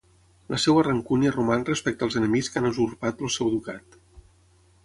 La seva rancúnia roman respecte als enemics que han usurpat el seu ducat.